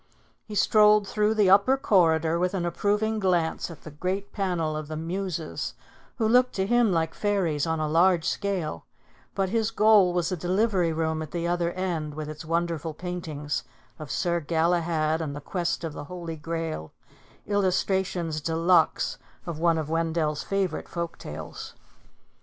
He strolled through the upper corridor, with an approving glance at the great panel of the Muses, who looked to him like fairies on a large scale; but his goal was the delivery room at the other end, with its wonderful paintings of Sir Galahad and the Quest of the Holy Grail, illustrations de luxe of one of Wendell's favorite folk tales.